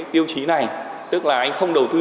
tiêu chí này tức là anh không đầu tư